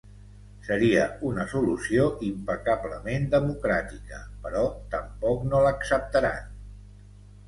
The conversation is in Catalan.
Seria una solució impecablement democràtica, però tampoc no l’acceptaran.